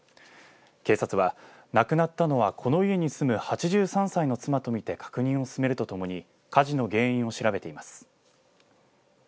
警察は亡くなったのはこの家に住む８３歳の妻と見て確認を進めるとともに火事の原因を調べています。